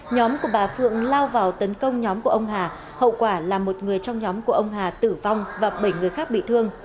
nhóm của bà phượng lao vào tấn công nhóm của ông hà hậu quả là một người trong nhóm của ông hà tử vong và bảy người khác bị thương